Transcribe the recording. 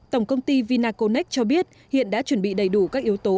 tổng công ty vinaconex cho biết hiện đã chuẩn bị đầy đủ các yếu tố